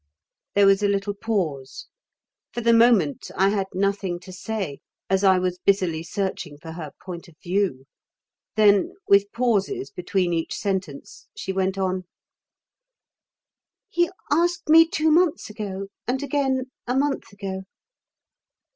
There was a little pause. For the moment I had nothing to say, as I was busily searching for her point of view. Then, with pauses between each sentence, she went on: "He asked me two months ago, and again a month ago.